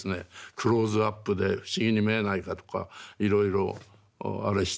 クローズアップで不思議に見えないかとかいろいろあれして。